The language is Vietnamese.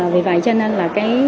vì vậy cho nên là